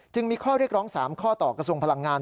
มีข้อเรียกร้อง๓ข้อต่อกระทรวงพลังงาน